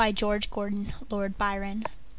George Gordon, Lord Byron 468.